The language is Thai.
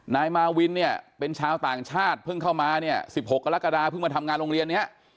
นายมาวินเนี่ยเป็นชาวต่างชาติเพิ่งเข้ามาเนี่ย๑๖กรกฎาเพิ่งมาทำงานโรงเรียนเนี่ย